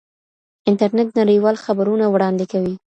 انټرنیټ نړیوال خبرونه وړاندې کوي.